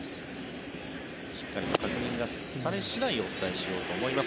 しっかりと確認がされ次第お伝えしようと思います。